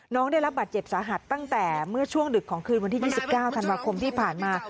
ได้รับบาดเจ็บสาหัสตั้งแต่เมื่อช่วงดึกของคืนวันที่๒๙ธันวาคมที่ผ่านมา